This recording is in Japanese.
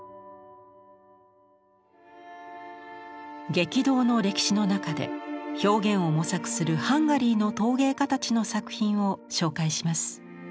激動の歴史の中で表現を模索するハンガリーの陶芸家たちの作品を紹介します。